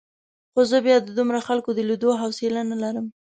خو زه بیا د دومره خلکو د لیدو حوصله نه لرم.